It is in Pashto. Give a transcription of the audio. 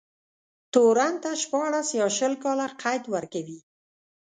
تورن ته شپاړس يا شل کاله قید ورکوي.